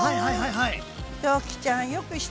はい。